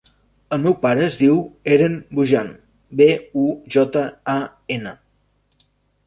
El meu pare es diu Eren Bujan: be, u, jota, a, ena.